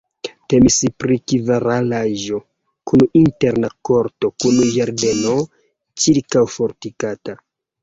Temis pri kvaralaĵo kun interna korto kun ĝardeno ĉirkaŭfortikata.